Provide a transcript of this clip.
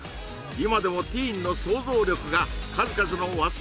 今でもティーンの創造力が数々の和製